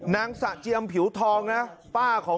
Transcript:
นางสะเจียมผิวทองนะป้าของ